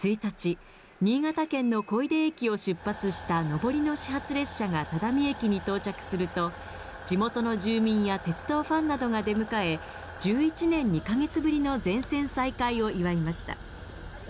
１日、新潟県の小出駅を出発した上りの始発列車が只見駅に到着すると、地元の住民や鉄道ファンなどが出迎え、１１年２か月ぶりの全線再開を祝いました。